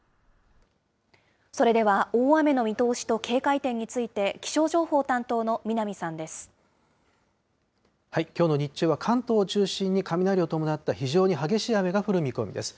それでは、大雨の見通しと警戒点について、きょうの日中は、関東を中心に雷を伴った非常に激しい雨が降る見込みです。